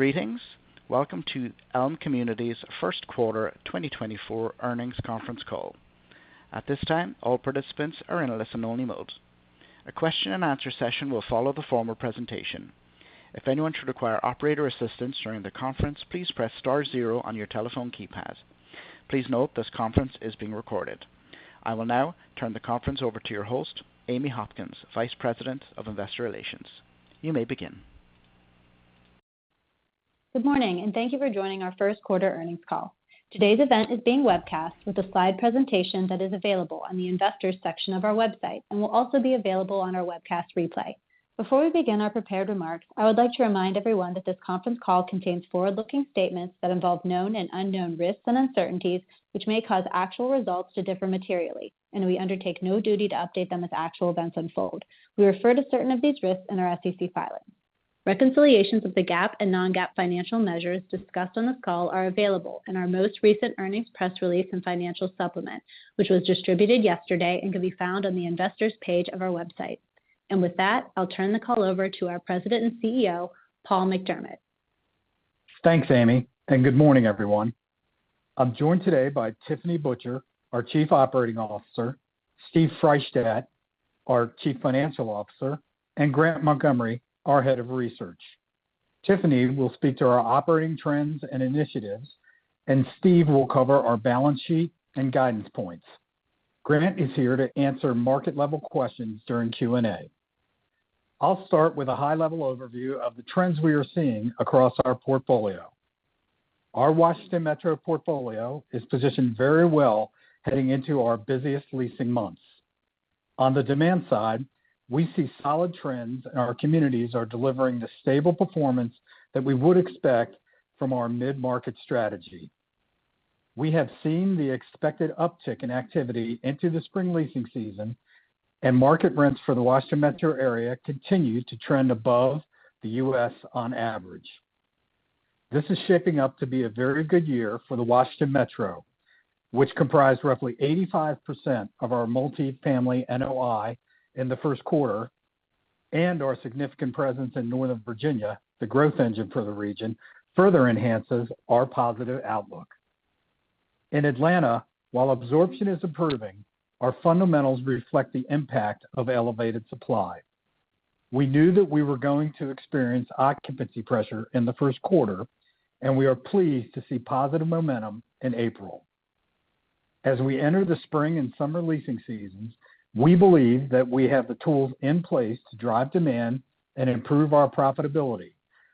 Greetings. Welcome to Elme Communities first quarter 2024 earnings conference call. At this time, all participants are in a listen-only mode. A question-and-answer session will follow the formal presentation. If anyone should require operator assistance during the conference, please press star 0 on your telephone keypad. Please note this conference is being recorded. I will now turn the conference over to your host, Amy Hopkins, Vice President of Investor Relations. You may begin. Good morning, and thank you for joining our Q1 earnings call. Today's event is being webcast with a slide presentation that is available on the Investors section of our website and will also be available on our webcast replay. Before we begin our prepared remarks, I would like to remind everyone that this conference call contains forward-looking statements that involve known and unknown risks and uncertainties which may cause actual results to differ materially, and we undertake no duty to update them as actual events unfold. We refer to certain of these risks in our SEC filings. Reconciliations of the GAAP and non-GAAP financial measures discussed on this call are available in our most recent earnings press release and financial supplement, which was distributed yesterday and can be found on the Investors page of our website. With that, I'll turn the call over to our President and CEO, Paul McDermott. Thanks, Amy, and good morning, everyone. I'm joined today by Tiffany Butcher, our Chief Operating Officer, Steve Freishtat, our Chief Financial Officer, and Grant Montgomery, our Head of Research. Tiffany will speak to our operating trends and initiatives, and Steve will cover our balance sheet and guidance points. Grant is here to answer market-level questions during Q&A. I'll start with a high-level overview of the trends we are seeing across our portfolio. Our Washington Metro portfolio is positioned very well heading into our busiest leasing months. On the demand side, we see solid trends, and our communities are delivering the stable performance that we would expect from our mid-market strategy. We have seen the expected uptick in activity into the spring leasing season, and market rents for the Washington Metro area continue to trend above the U.S. on average. This is shaping up to be a very good year for the Washington Metro, which comprised roughly 85% of our multifamily NOI in the Q1, and our significant presence in Northern Virginia, the growth engine for the region, further enhances our positive outlook. In Atlanta, while absorption is improving, our fundamentals reflect the impact of elevated supply. We knew that we were going to experience occupancy pressure in the Q1, and we are pleased to see positive momentum in April. As we enter the spring and summer leasing seasons, we believe that we have the tools in place to drive demand and improve our profitability,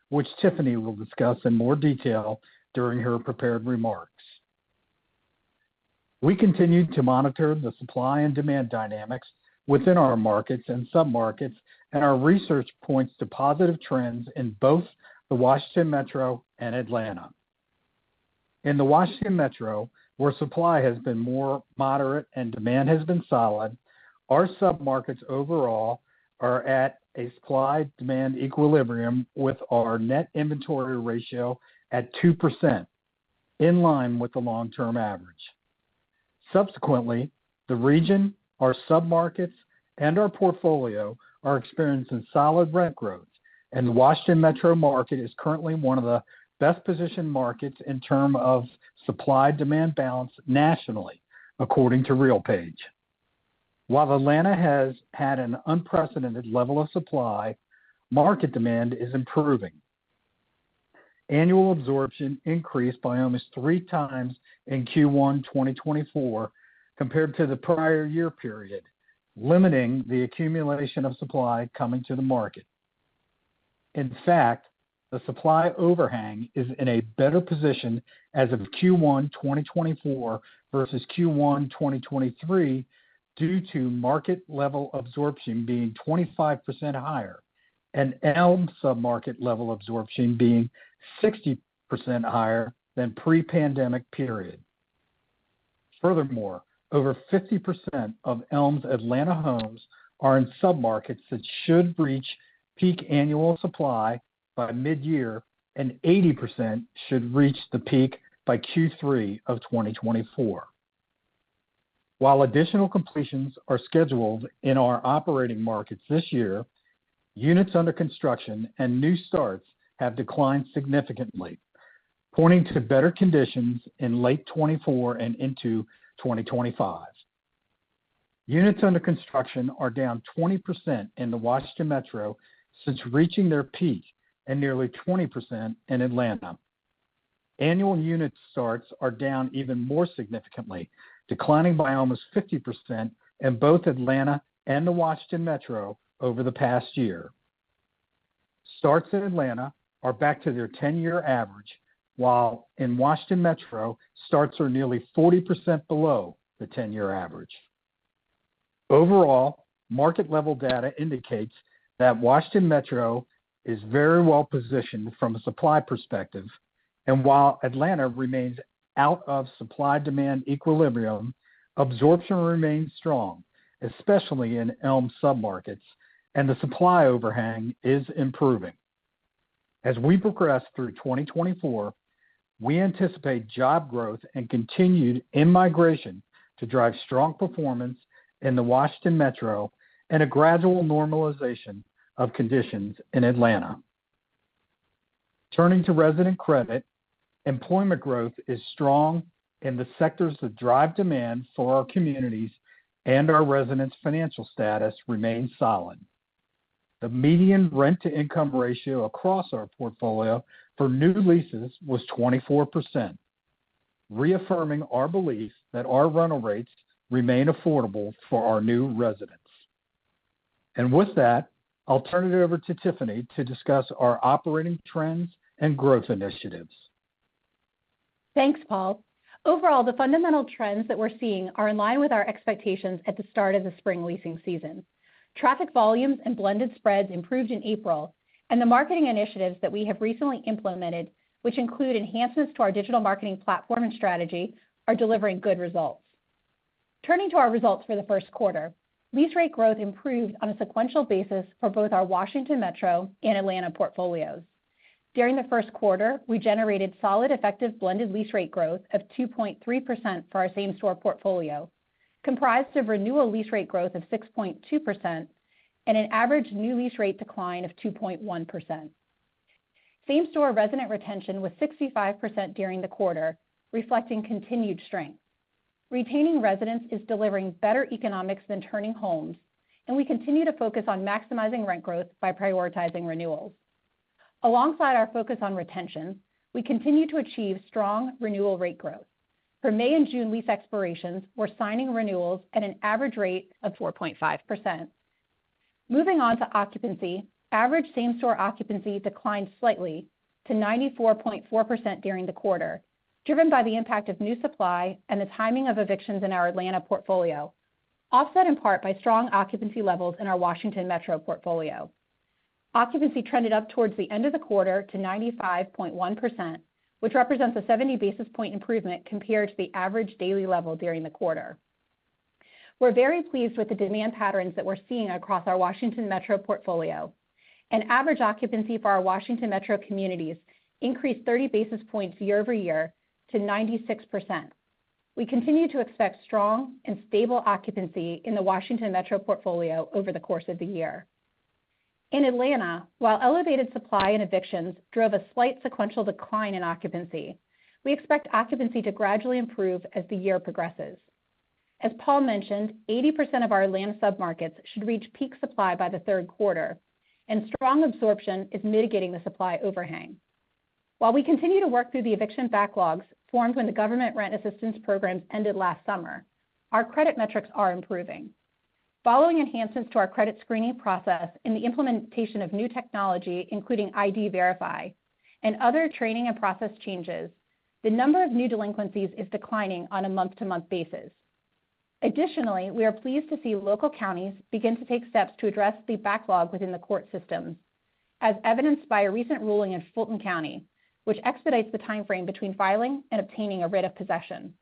which Tiffany will discuss in more detail during her prepared remarks. We continue to monitor the supply and demand dynamics within our markets and submarkets, and our research points to positive trends in both the Washington Metro and Atlanta. In the Washington Metro, where supply has been more moderate and demand has been solid, our submarkets overall are at a supply-demand equilibrium with our net inventory ratio at 2%, in line with the long-term average. Subsequently, the region, our submarkets, and our portfolio are experiencing solid rent growth, and the Washington Metro market is currently one of the best-positioned markets in terms of supply-demand balance nationally, according to RealPage. While Atlanta has had an unprecedented level of supply, market demand is improving. Annual absorption increased by almost three times in Q1 2024 compared to the prior year period, limiting the accumulation of supply coming to the market. In fact, the supply overhang is in a better position as of Q1 2024 versus Q1 2023 due to market-level absorption being 25% higher and Elme submarket-level absorption being 60% higher than pre-pandemic period. Furthermore, over 50% of Elme's Atlanta homes are in submarkets that should reach peak annual supply by mid-year, and 80% should reach the peak by Q3 of 2024. While additional completions are scheduled in our operating markets this year, units under construction and new starts have declined significantly, pointing to better conditions in late 2024 and into 2025. Units under construction are down 20% in the Washington Metro since reaching their peak and nearly 20% in Atlanta. Annual unit starts are down even more significantly, declining by almost 50% in both Atlanta and the Washington Metro over the past year. Starts in Atlanta are back to their 10-year average, while in Washington Metro, starts are nearly 40% below the 10-year average. Overall, market-level data indicates that Washington Metro is very well positioned from a supply perspective, and while Atlanta remains out of supply-demand equilibrium, absorption remains strong, especially in Elme submarkets, and the supply overhang is improving. As we progress through 2024, we anticipate job growth and continued immigration to drive strong performance in the Washington Metro and a gradual normalization of conditions in Atlanta. Turning to resident credit, employment growth is strong in the sectors that drive demand for our communities, and our residents' financial status remains solid. The median rent-to-income ratio across our portfolio for new leases was 24%, reaffirming our belief that our rental rates remain affordable for our new residents. And with that, I'll turn it over to Tiffany to discuss our operating trends and growth initiatives. Thanks, Paul. Overall, the fundamental trends that we're seeing are in line with our expectations at the start of the spring leasing season. Traffic volumes and blended spreads improved in April, and the marketing initiatives that we have recently implemented, which include enhancements to our digital marketing platform and strategy, are delivering good results. Turning to our results for the Q1, lease rate growth improved on a sequential basis for both our Washington Metro and Atlanta portfolios. During the Q1, we generated solid effective blended lease rate growth of 2.3% for our same-store portfolio, comprised of renewal lease rate growth of 6.2% and an average new lease rate decline of 2.1%. Same-store resident retention was 65% during the quarter, reflecting continued strength. Retaining residents is delivering better economics than turning homes, and we continue to focus on maximizing rent growth by prioritizing renewals. Alongside our focus on retention, we continue to achieve strong renewal rate growth. For May and June lease expirations, we're signing renewals at an average rate of 4.5%. Moving on to occupancy, average same-store occupancy declined slightly to 94.4% during the quarter, driven by the impact of new supply and the timing of evictions in our Atlanta portfolio, offset in part by strong occupancy levels in our Washington Metro portfolio. Occupancy trended up towards the end of the quarter to 95.1%, which represents a 70 basis point improvement compared to the average daily level during the quarter. We're very pleased with the demand patterns that we're seeing across our Washington Metro portfolio. An average occupancy for our Washington Metro communities increased 30 basis points year-over-year to 96%. We continue to expect strong and stable occupancy in the Washington Metro portfolio over the course of the year. In Atlanta, while elevated supply and evictions drove a slight sequential decline in occupancy, we expect occupancy to gradually improve as the year progresses. As Paul mentioned, 80% of our Atlanta submarkets should reach peak supply by the Q3, and strong absorption is mitigating the supply overhang. While we continue to work through the eviction backlogs formed when the government rent assistance programs ended last summer, our credit metrics are improving. Following enhancements to our credit screening process in the implementation of new technology, including ID Verify, and other training and process changes, the number of new delinquencies is declining on a month-to-month basis. Additionally, we are pleased to see local counties begin to take steps to address the backlog within the court systems, as evidenced by a recent ruling in Fulton County, which expedites the time frame between filing and obtaining a writ of possession.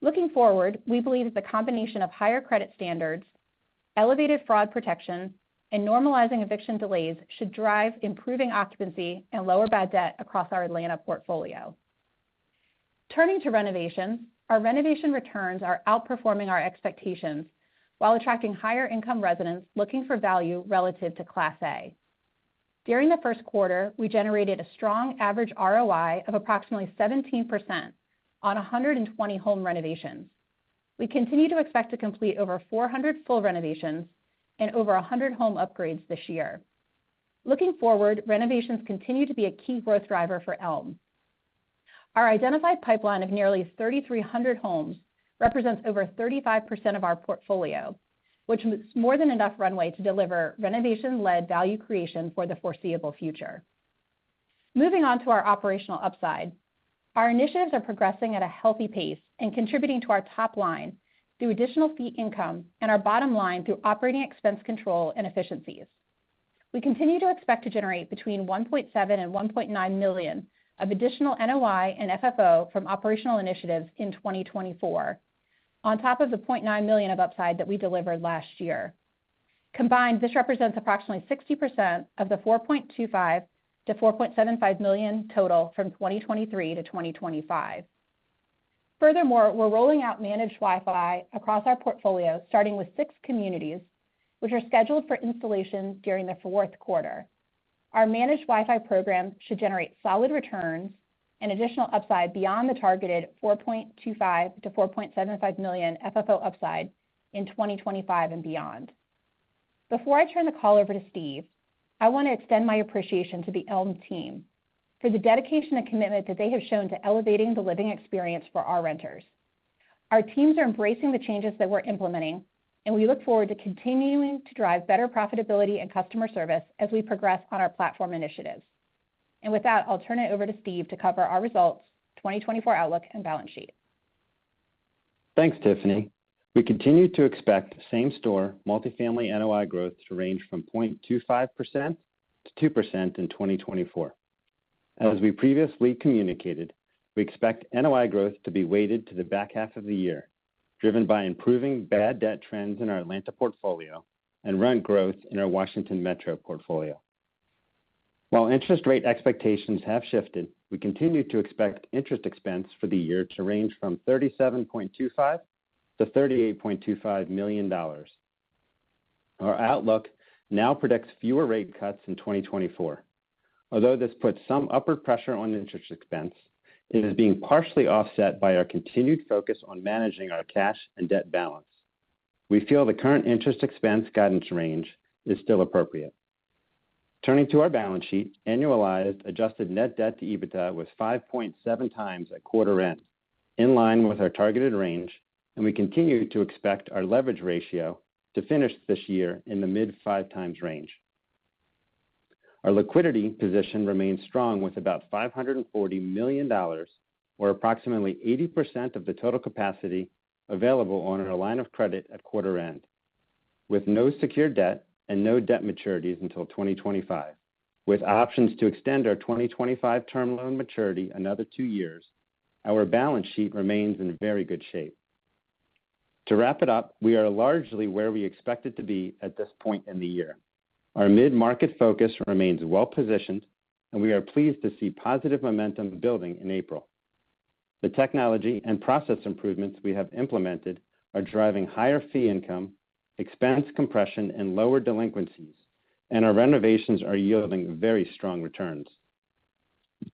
Looking forward, we believe that the combination of higher credit standards, elevated fraud protection, and normalizing eviction delays should drive improving occupancy and lower bad debt across our Atlanta portfolio. Turning to renovations, our renovation returns are outperforming our expectations while attracting higher-income residents looking for value relative to Class A. During the Q1, we generated a strong average ROI of approximately 17% on 120 home renovations. We continue to expect to complete over 400 full renovations and over 100 home upgrades this year. Looking forward, renovations continue to be a key growth driver for Elme. Our identified pipeline of nearly 3,300 homes represents over 35% of our portfolio, which is more than enough runway to deliver renovation-led value creation for the foreseeable future. Moving on to our operational upside, our initiatives are progressing at a healthy pace and contributing to our top line through additional fee income and our bottom line through operating expense control and efficiencies. We continue to expect to generate between $1.7 million and $1.9 million of additional NOI and FFO from operational initiatives in 2024, on top of the $0.9 million of upside that we delivered last year. Combined, this represents approximately 60% of the $4.25 million-$4.75 million total from 2023 to 2025. Furthermore, we're rolling out Managed Wi-Fi across our portfolio, starting with six communities, which are scheduled for installation during the Q4. Our Managed Wi-Fi program should generate solid returns and additional upside beyond the targeted $4.25 million-$4.75 million FFO upside in 2025 and beyond. Before I turn the call over to Steve, I want to extend my appreciation to the Elme team for the dedication and commitment that they have shown to elevating the living experience for our renters. Our teams are embracing the changes that we're implementing, and we look forward to continuing to drive better profitability and customer service as we progress on our platform initiatives. With that, I'll turn it over to Steve to cover our results, 2024 outlook, and balance sheet. Thanks, Tiffany. We continue to expect same-store multifamily NOI growth to range from 0.25%-2% in 2024. As we previously communicated, we expect NOI growth to be weighted to the back half of the year, driven by improving bad debt trends in our Atlanta portfolio and rent growth in our Washington Metro portfolio. While interest rate expectations have shifted, we continue to expect interest expense for the year to range from $37.25 million-$38.25 million. Our outlook now predicts fewer rate cuts in 2024. Although this puts some upward pressure on interest expense, it is being partially offset by our continued focus on managing our cash and debt balance. We feel the current interest expense guidance range is still appropriate. Turning to our balance sheet, annualized adjusted net debt to EBITDA was 5.7x at quarter end, in line with our targeted range, and we continue to expect our leverage ratio to finish this year in the mid-5x range. Our liquidity position remains strong with about $540 million, or approximately 80% of the total capacity available on our line of credit at quarter end. With no secured debt and no debt maturities until 2025, with options to extend our 2025 term loan maturity another two years, our balance sheet remains in very good shape. To wrap it up, we are largely where we expect it to be at this point in the year. Our mid-market focus remains well positioned, and we are pleased to see positive momentum building in April. The technology and process improvements we have implemented are driving higher fee income, expense compression, and lower delinquencies, and our renovations are yielding very strong returns.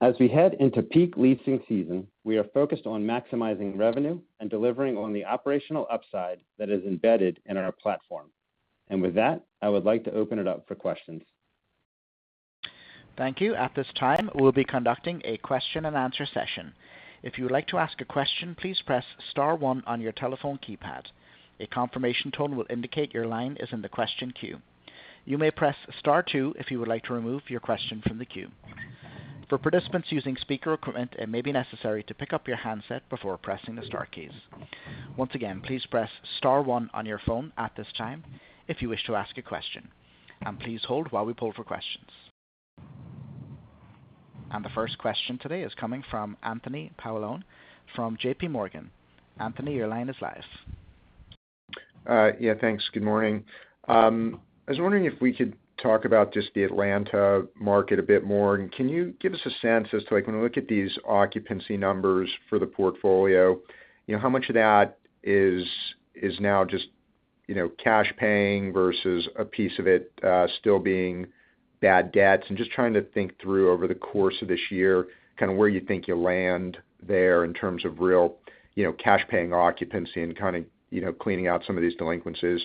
As we head into peak leasing season, we are focused on maximizing revenue and delivering on the operational upside that is embedded in our platform. With that, I would like to open it up for questions. Thank you. At this time, we'll be conducting a question-and-answer session. If you would like to ask a question, please press star one on your telephone keypad. A confirmation tone will indicate your line is in the question queue. You may press star two if you would like to remove your question from the queue. For participants using speaker equipment, it may be necessary to pick up your handset before pressing the star keys. Once again, please press star one on your phone at this time if you wish to ask a question. Please hold while we pull for questions. The first question today is coming from Anthony Paolone from JPMorgan. Anthony, your line is live. Yeah, thanks. Good morning. I was wondering if we could talk about just the Atlanta market a bit more. Can you give us a sense as to, like, when we look at these occupancy numbers for the portfolio, you know, how much of that is now just cash paying versus a piece of it still being bad debts? Just trying to think through over the course of this year, kind of where you think you'll land there in terms of real cash-paying occupancy and kind of cleaning out some of these delinquencies.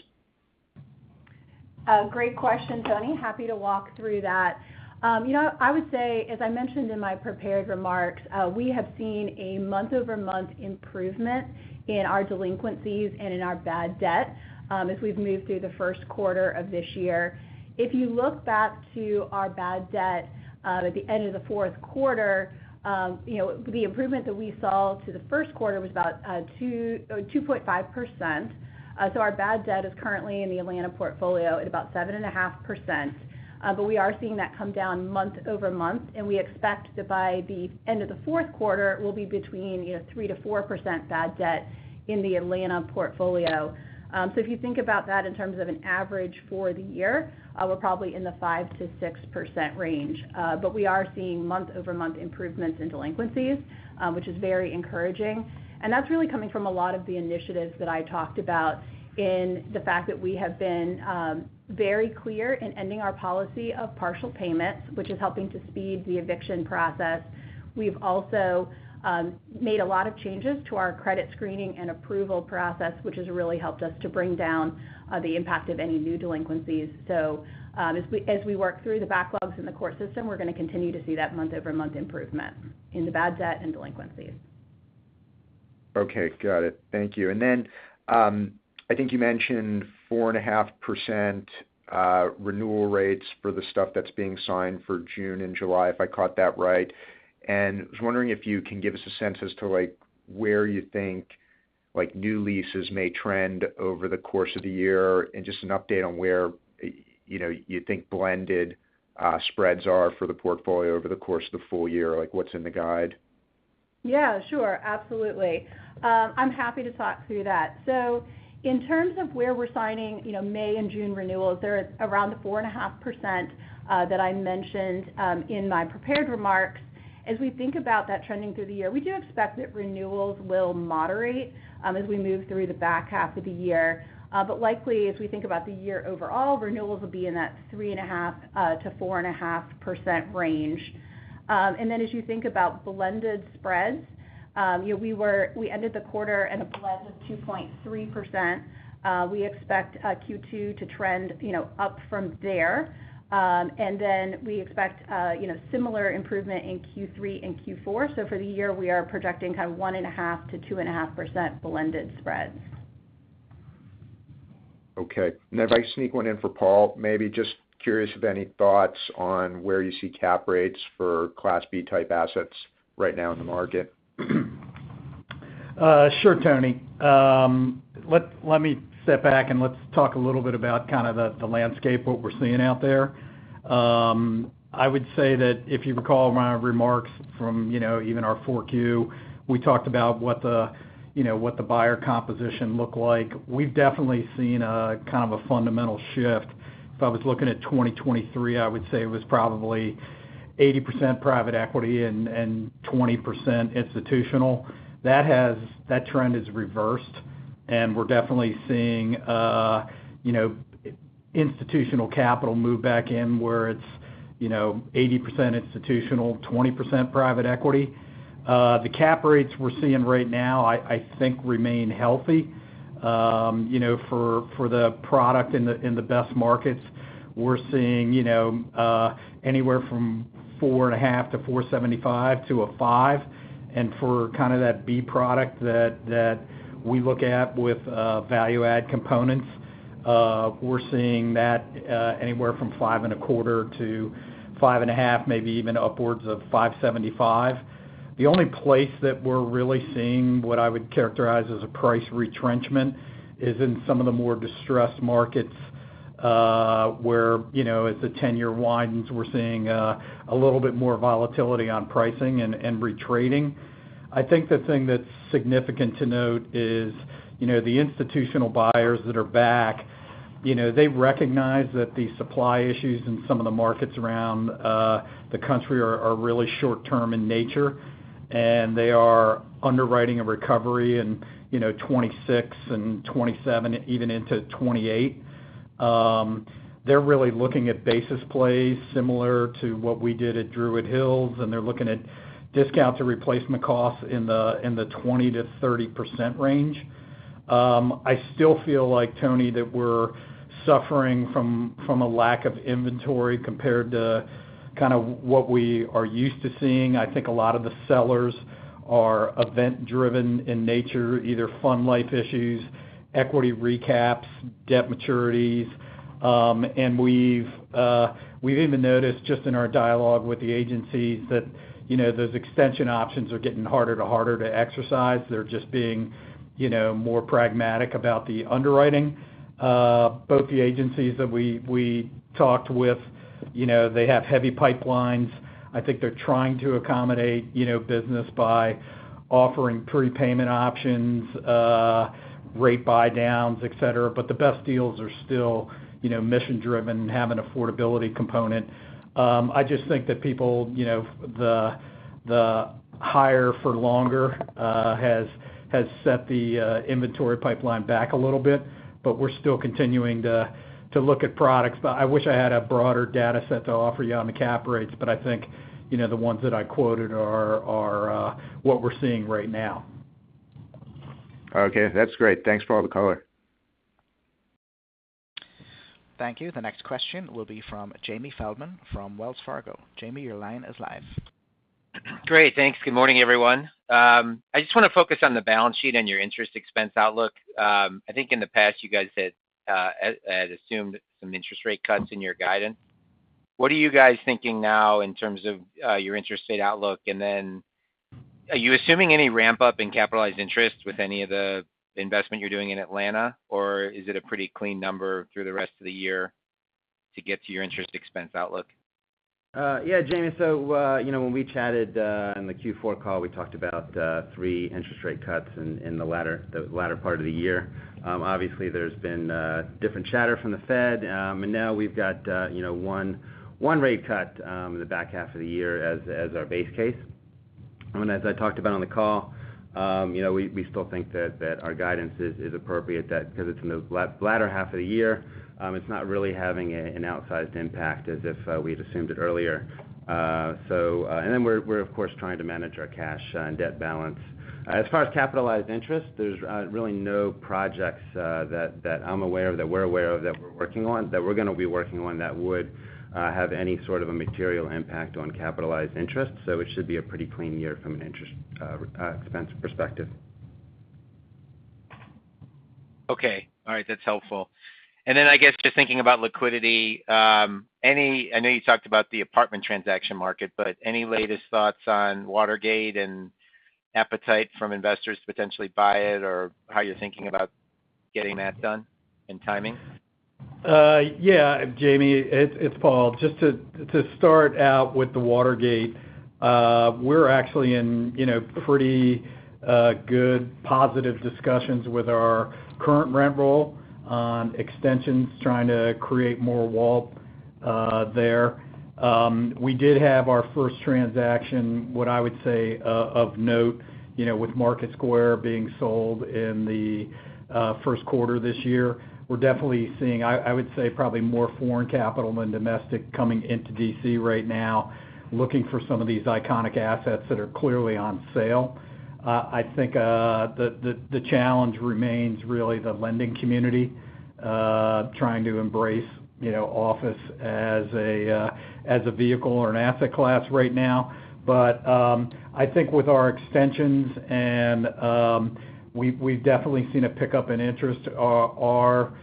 Great question, Tony. Happy to walk through that. You know, I would say, as I mentioned in my prepared remarks, we have seen a month-over-month improvement in our delinquencies and in our bad debt as we've moved through the Q1 of this year. If you look back to our bad debt at the end of the Q4, you know, the improvement that we saw to the Q1 was about 2.5%. So our bad debt is currently in the Atlanta portfolio at about 7.5%. But we are seeing that come down month-over-month, and we expect that by the end of the Q4, we'll be between, you know, 3%-4% bad debt in the Atlanta portfolio. So if you think about that in terms of an average for the year, we're probably in the 5%-6% range. But we are seeing month-over-month improvements in delinquencies, which is very encouraging. That's really coming from a lot of the initiatives that I talked about in the fact that we have been very clear in ending our policy of partial payments, which is helping to speed the eviction process. We've also made a lot of changes to our credit screening and approval process, which has really helped us to bring down the impact of any new delinquencies. As we work through the backlogs in the court system, we're going to continue to see that month-over-month improvement in the bad debt and delinquencies. Okay. Got it. Thank you. And then I think you mentioned 4.5% renewal rates for the stuff that's being signed for June and July, if I caught that right. And I was wondering if you can give us a sense as to, like, where you think new leases may trend over the course of the year and just an update on where, you know, you think blended spreads are for the portfolio over the course of the full year, like what's in the guide? Yeah, sure. Absolutely. I'm happy to talk through that. So in terms of where we're signing, you know, May and June renewals, they're around the 4.5% that I mentioned in my prepared remarks. As we think about that trending through the year, we do expect that renewals will moderate as we move through the back half of the year. But likely, as we think about the year overall, renewals will be in that 3.5%-4.5% range. And then as you think about blended spreads, you know, we ended the quarter in a blend of 2.3%. We expect Q2 to trend, you know, up from there. And then we expect, you know, similar improvement in Q3 and Q4. So for the year, we are projecting kind of 1.5%-2.5% blended spreads. Okay. And if I sneak one in for Paul, maybe just curious if any thoughts on where you see cap rates for Class B type assets right now in the market? Sure, Tony. Let me step back and let's talk a little bit about kind of the landscape, what we're seeing out there. I would say that if you recall my remarks from, you know, even our Q4, we talked about what the buyer composition looked like. We've definitely seen kind of a fundamental shift. If I was looking at 2023, I would say it was probably 80% private equity and 20% institutional. That trend is reversed, and we're definitely seeing, you know, institutional capital move back in where it's, you know, 80% institutional, 20% private equity. The cap rates we're seeing right now, I think, remain healthy. You know, for the product in the best markets, we're seeing, you know, anywhere from 4.5% to 4.75% to a 5%. For kind of that B product that we look at with value-add components, we're seeing that anywhere from 5.25 to 5.5, maybe even upwards of 5.75. The only place that we're really seeing what I would characterize as a price retrenchment is in some of the more distressed markets where, you know, as the 10-year widens, we're seeing a little bit more volatility on pricing and retrading. I think the thing that's significant to note is, you know, the institutional buyers that are back, you know, they recognize that the supply issues in some of the markets around the country are really short-term in nature, and they are underwriting a recovery in, you know, 2026 and 2027, even into 2028. They're really looking at basis plays similar to what we did at Druid Hills, and they're looking at discount to replacement costs in the 20%-30% range. I still feel like, Tony, that we're suffering from a lack of inventory compared to kind of what we are used to seeing. I think a lot of the sellers are event-driven in nature, either fund life issues, equity recaps, debt maturities. We've even noticed just in our dialogue with the agencies that, you know, those extension options are getting harder and harder to exercise. They're just being, you know, more pragmatic about the underwriting. Both the agencies that we talked with, you know, they have heavy pipelines. I think they're trying to accommodate, you know, business by offering prepayment options, rate buy-downs, et cetera. But the best deals are still, you know, mission-driven, having an affordability component. I just think that people, you know, the higher for longer has set the inventory pipeline back a little bit, but we're still continuing to look at products. I wish I had a broader data set to offer you on the cap rates, but I think, you know, the ones that I quoted are what we're seeing right now. Okay. That's great. Thanks, Paul McDermott. Thank you. The next question will be from Jamie Feldman from Wells Fargo. Jamie, your line is live. Great. Thanks. Good morning, everyone. I just want to focus on the balance sheet and your interest expense outlook. I think in the past, you guys had assumed some interest rate cuts in your guidance. What are you guys thinking now in terms of your interest rate outlook? And then are you assuming any ramp-up in capitalized interest with any of the investment you're doing in Atlanta, or is it a pretty clean number through the rest of the year to get to your interest expense outlook? Yeah, Jamie. So, you know, when we chatted in the Q4 call, we talked about three interest rate cuts in the latter part of the year. Obviously, there's been different chatter from the Fed, and now we've got, you know, one rate cut in the back half of the year as our base case. As I talked about on the call, you know, we still think that our guidance is appropriate because it's in the latter half of the year. It's not really having an outsized impact as if we had assumed it earlier. Then we're, of course, trying to manage our cash and debt balance. As far as capitalized interest, there's really no projects that I'm aware of, that we're aware of, that we're going to be working on, that would have any sort of a material impact on capitalized interest. It should be a pretty clean year from an interest expense perspective. Okay. All right. That's helpful. And then I guess just thinking about liquidity, any? I know you talked about the apartment transaction market, but any latest thoughts on Watergate and appetite from investors to potentially buy it or how you're thinking about getting that done and timing? Yeah, Jamie. It's Paul. Just to start out with the Watergate, we're actually in pretty good positive discussions with our current rent roll on extensions, trying to create more WALT there. We did have our first transaction, what I would say of note, with Market Square being sold in the Q1 this year. We're definitely seeing, I would say, probably more foreign capital than domestic coming into D.C. right now, looking for some of these iconic assets that are clearly on sale. I think the challenge remains really the lending community trying to embrace office as a vehicle or an asset class right now. But I think with our extensions, and we've definitely seen a pickup in interest, our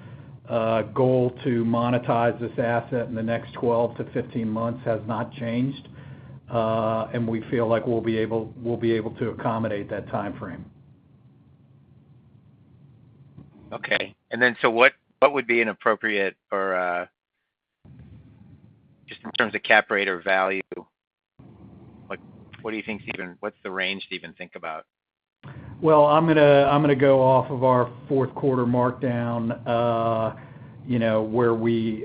goal to monetize this asset in the next 12-15 months has not changed, and we feel like we'll be able to accommodate that timeframe. Okay. And then so what would be an appropriate or just in terms of cap rate or value, what do you think Stephen what's the range to even think about? Well, I'm going to go off of our Q4 markdown, you know, where we,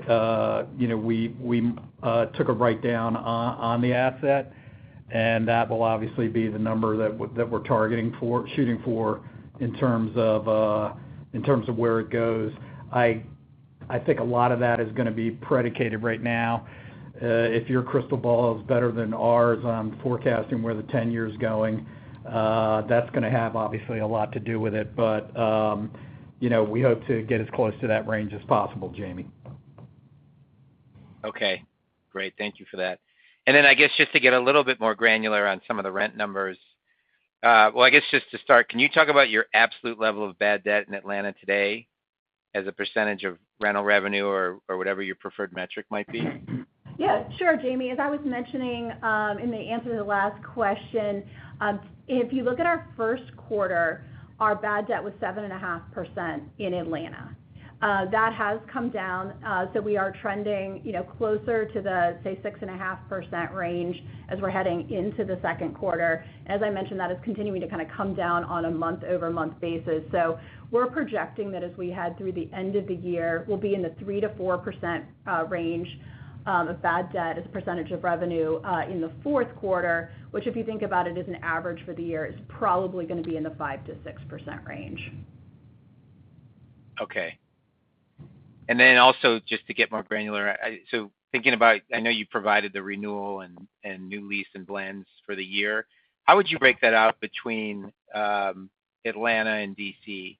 you know, we took a write-down on the asset, and that will obviously be the number that we're targeting for, shooting for in terms of where it goes. I think a lot of that is going to be predicated right now. If your crystal ball is better than ours, I'm forecasting where the 10-year is going. That's going to have, obviously, a lot to do with it. But, you know, we hope to get as close to that range as possible, Jamie. Okay. Great. Thank you for that. And then I guess just to get a little bit more granular on some of the rent numbers, well, I guess just to start, can you talk about your absolute level of bad debt in Atlanta today as a percentage of rental revenue or whatever your preferred metric might be? Yeah. Sure, Jamie. As I was mentioning in the answer to the last question, if you look at our Q1, our bad debt was 7.5% in Atlanta. That has come down. So we are trending closer to the, say, 6.5% range as we're heading into the Q2. And as I mentioned, that is continuing to kind of come down on a month-over-month basis. So we're projecting that as we head through the end of the year, we'll be in the 3%-4% range of bad debt as a percentage of revenue in the Q4, which if you think about it as an average for the year, it's probably going to be in the 5%-6% range. Okay. And then also just to get more granular, so thinking about I know you provided the renewal and new lease and blends for the year. How would you break that out between Atlanta and D.C.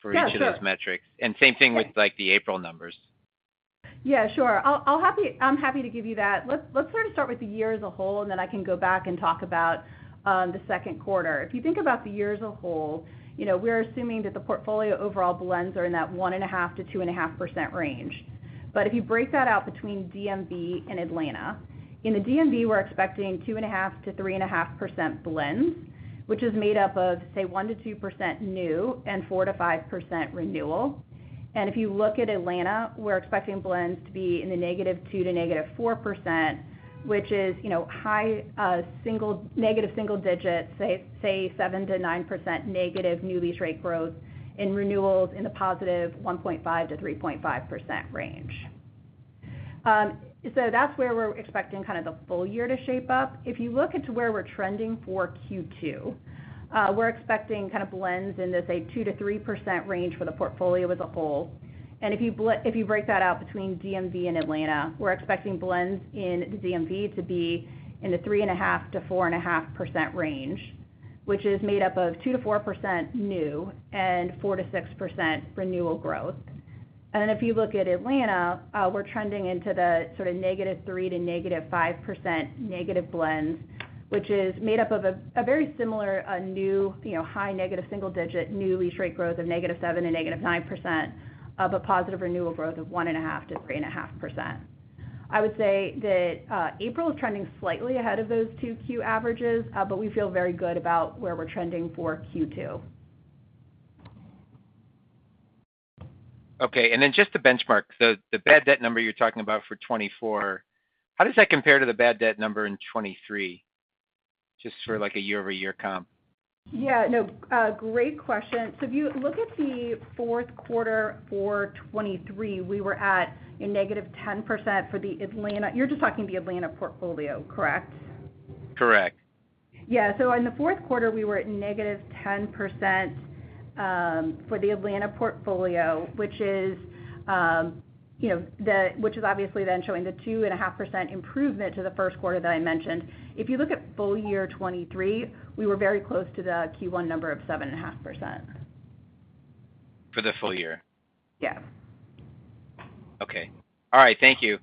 for each of those metrics? And same thing with the April numbers. Yeah. Sure. I'm happy to give you that. Let's sort of start with the year as a whole, and then I can go back and talk about the Q2. If you think about the year as a whole, you know, we're assuming that the portfolio overall blends are in that 1.5%-2.5% range. But if you break that out between DMV and Atlanta, in the DMV, we're expecting 2.5%-3.5% blends, which is made up of, say, 1%-2% new and 4%-5% renewal. And if you look at Atlanta, we're expecting blends to be in the negative 2% to negative 4%, which is high negative single digits, say, 7%-9% negative new lease rate growth, and renewals in the positive 1.5%-3.5% range. So that's where we're expecting kind of the full year to shape up. If you look at where we're trending for Q2, we're expecting kind of blends in the, say, 2%-3% range for the portfolio as a whole. And if you break that out between DMV and Atlanta, we're expecting blends in the DMV to be in the 3.5%-4.5% range, which is made up of 2%-4% new and 4%-6% renewal growth. And then if you look at Atlanta, we're trending into the sort of -3% to -5% negative blends, which is made up of a very similar new, high negative single digit new lease rate growth of -7% and -9%, but positive renewal growth of 1.5%-3.5%. I would say that April is trending slightly ahead of those two Q averages, but we feel very good about where we're trending for Q2. Okay. And then just to benchmark, the bad debt number you're talking about for 2024, how does that compare to the bad debt number in 2023, just for like a year-over-year comp? Yeah. No, great question. So if you look at the Q4 for 2023, we were at a negative 10% for the Atlanta. You're just talking the Atlanta portfolio, correct? Correct. Yeah. So in the Q4, we were at negative 10% for the Atlanta portfolio, which is, you know, which is obviously then showing the 2.5% improvement to the Q1 that I mentioned. If you look at full year 2023, we were very close to the Q1 number of 7.5%. For the full year? Yeah. Okay. All right. Thank you.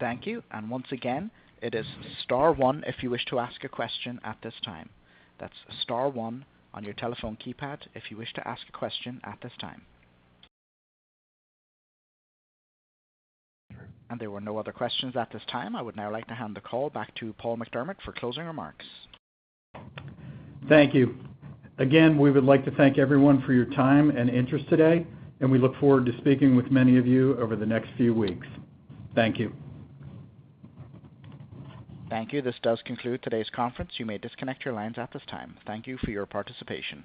Thank you. Once again, it is star one if you wish to ask a question at this time. That's star one on your telephone keypad if you wish to ask a question at this time. There were no other questions at this time. I would now like to hand the call back to Paul McDermott for closing remarks. Thank you. Again, we would like to thank everyone for your time and interest today, and we look forward to speaking with many of you over the next few weeks. Thank you. Thank you. This does conclude today's conference. You may disconnect your lines at this time. Thank you for your participation.